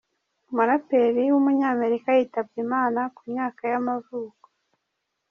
umuraperi w’umunyamerika yitabye Imana, ku myaka y’amavuko.